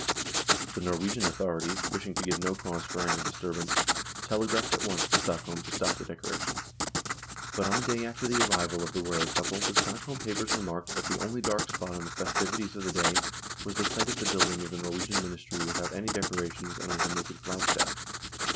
The Norwegian authorities, wishing to give no cause for any disturbance, tele graphed at once to Stockholm to stop the decorations. THE DISSOLUTION OF THE UNION 137 But on the day after the arrival of the Royal couple the Stockholm papers remarked that the only dark spot on the festivities of the day was the sight of the building of the Norwegian Ministry without any decorations and with a naked flagstaff.